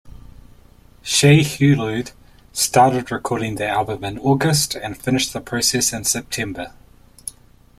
Shai Hulud started recording the album in August and finished the process in September.